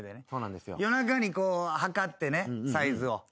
夜中に測ってねサイズを。